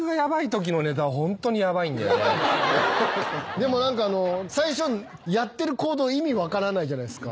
でも最初やってる行動意味分からないじゃないですか。